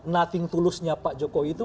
nothing tulusnya pak jokowi itu